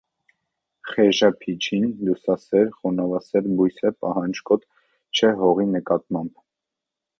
Խեժափիճին լուսասեր, խոնավասեր բույս է, պահանջկոտ չէ հողի նկատմամբ։